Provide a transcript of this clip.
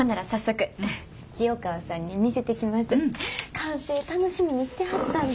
完成楽しみにしてはったんで。